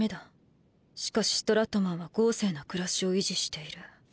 しかしストラットマンは豪勢な暮らしを維持している。